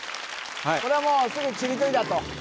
これはもうすぐちりとりだと？